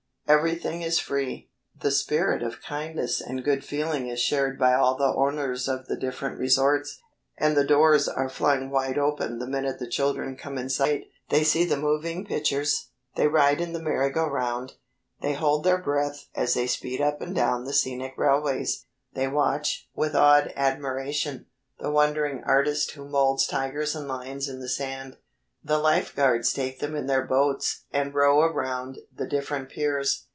Everything is free. The spirit of kindness and good feeling is shared by all the owners of the different resorts, and the doors are flung wide open the minute the children come in sight. They see the moving pictures. They ride in the merry go round. They hold their breath as they speed up and down the scenic railways. They watch, with awed admiration, the wandering artist who moulds tigers and lions in the sand. The life guards take them in their boats and row around the different piers.